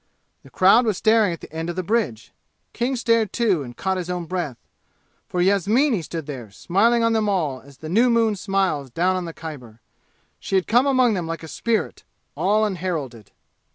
The crowd was staring at the end of the bridge. King stared, too, and caught his own breath. For Yasmini stood there, smiling on them all as the new moon smiles down on the Khyber! She had come among them like a spirit, all unheralded.